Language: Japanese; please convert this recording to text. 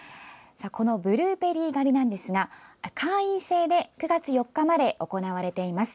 このブルーベリー狩りなんですが会員制で９月４日まで行われています。